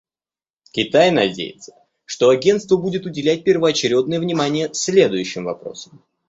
Китай надеется, что Агентство будет уделять первоочередное внимание следующим вопросам.